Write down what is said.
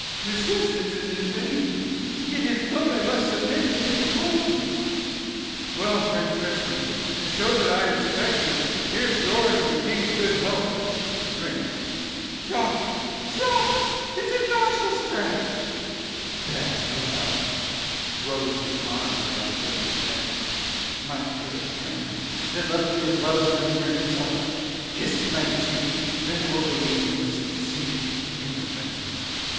Sir B. Resistance is in vain to get his vote I must submit and take the poison. (aside.) Well, friend Crispin, to show that I respect you, here's yours and the King's good health. (drinks.) Pshaw, pshaw, it's a nauseous draught, (aside.) Cris. That's well (throws his arms round Dibble's neck.) My dear friend, that loves me as well as the mayor himself, kiss my cheek, and then I will believe you are sincere in your friendship.